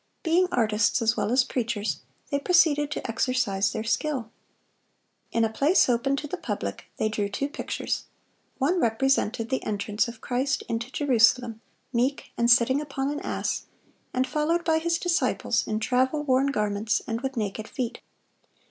Being artists as well as preachers, they proceeded to exercise their skill. In a place open to the public they drew two pictures. One represented the entrance of Christ into Jerusalem, "meek, and sitting upon an ass,"(127) and followed by His disciples in travel worn garments and with naked feet.